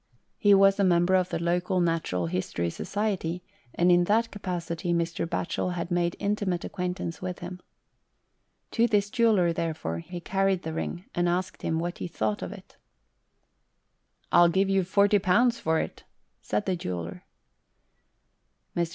He was a member of the local 97 anOST TALES. Natural History Society, and in that capacity Mr. Batchel had made intimate acquaintance with him. To this jeweller, therefore, he carried the ring, and asked him what he thought of it. " I'll give you forty pounds for it," said the jeweller. Mr.